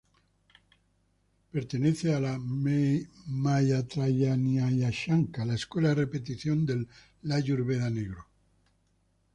Pertenece a la "maitraianíia-shakha", la escuela de repetición del "Iáyur-veda negro".